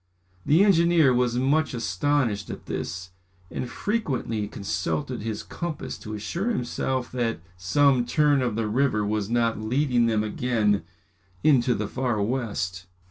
The engineer was much astonished at this, and frequently consulted his compass to assure himself that some turn of the river was not leading them again into the Far West.